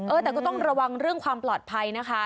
แต่ก็ต้องระวังเรื่องความปลอดภัยนะคะ